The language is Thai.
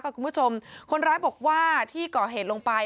คุณผู้ชมคนร้ายบอกว่าที่ก่อเหตุลงไป